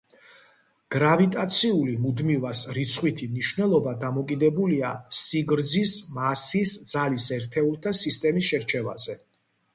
გრავიტაციული მუდმივას რიცხვითი მნიშვნელობა დამოკიდებულია სიგრძის, მასის, ძალის ერთეულთა სისტემის შერჩევაზე.